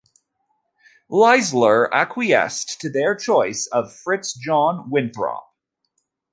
Leisler acquiesced to their choice of Fitz-John Winthrop.